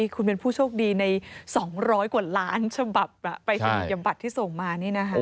คุณเป็นผู้โชคดีใน๒๐๐กว่าล้านฉบับปรายศนียบัตรที่ส่งมา